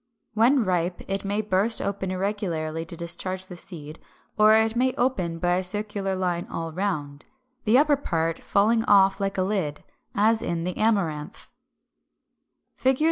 When ripe it may burst open irregularly to discharge the seed; or it may open by a circular line all round, the upper part falling off like a lid; as in the Amaranth (Fig.